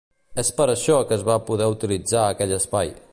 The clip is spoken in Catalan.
És per això que es va poder utilitzar aquell espai.